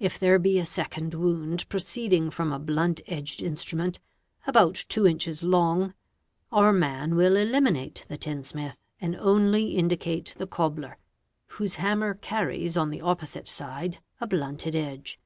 If there be a second wound proceeding from a blunt edged instrument, about two inches long, our man will eliminate the tin sm th and only indicate the cobbler, whose hammer carries on the opposite sid a blunted edge.